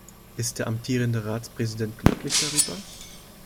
Ist der amtierende Ratspräsident glücklich darüber?